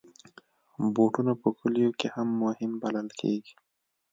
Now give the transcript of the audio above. بوټونه په کلیو کې هم مهم بلل کېږي.